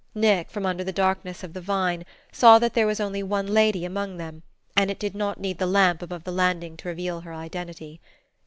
Nick, from under the darkness of the vine, saw that there was only one lady among them, and it did not need the lamp above the landing to reveal her identity.